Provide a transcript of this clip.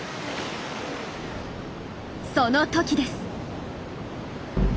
その時です。